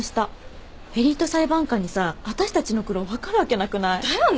エリート裁判官にさ私たちの苦労分かるわけなくない？だよね。